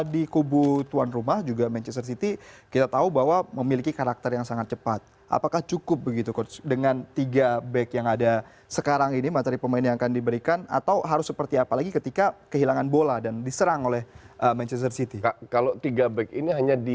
di kubu chelsea antonio conte masih belum bisa memainkan timu ibakayu